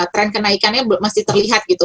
tren kenaikannya masih terlihat gitu